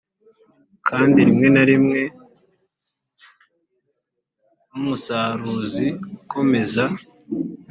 kandi rimwe na rimwe nk'umusaruzi ukomeza